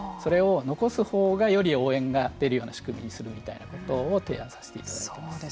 それを残すほうがより応援が出るような仕組みにするみたいなことを提案させていただいています。